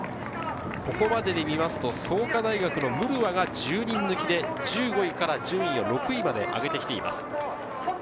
ここまでで見ると創価大学のムルワが１０人抜きで１５位から順位を６位まで上げてきています。